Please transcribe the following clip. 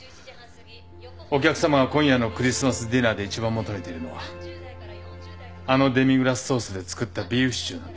お客さまは今夜のクリスマスディナーで一番求めているのはあのデミグラスソースで作ったビーフシチューなんだ。